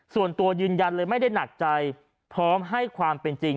ส่วนตัวยืนยันเลยไม่ได้หนักใจพร้อมให้ความเป็นจริง